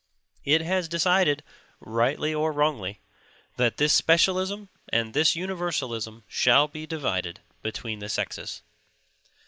It has decided, rightly or wrongly, that this specialism and this universalism shall be divided between the sexes.